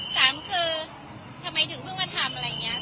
สามคือทำไมถึงเพิ่งมาทำอะไรอย่างนี้